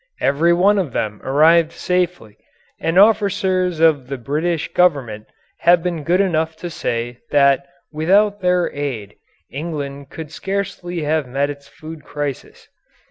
Every one of them arrived safely, and officers of the British Government have been good enough to say that without their aid England could scarcely have met its food crisis.